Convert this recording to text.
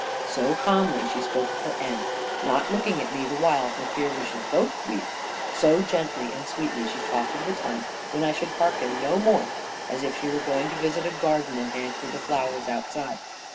So calmly she spoke of her end, not looking at me the while for fear we both should weep, so gently and sweetly she talked of the time when I should hearken no more, as if she were going to visit a garden and hand me the flowers outside.